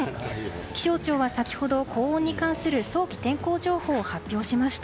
気象庁が先ほど高温に関する早期天候情報を発表しました。